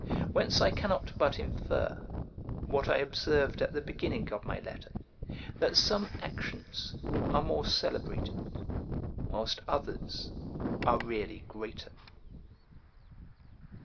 Whence I cannot but infer, what I observed at the beginning of my letter, that some actions are more celebrated, whilst others are really greater.